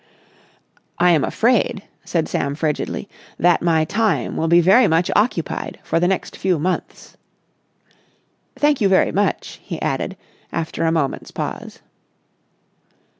"I am afraid," said Sam frigidly, "that my time will be very much occupied for the next few months. Thank you very much," he added, after a moment's pause.